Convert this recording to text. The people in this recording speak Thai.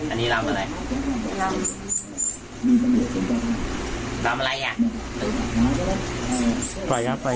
อันนี้รำอะไร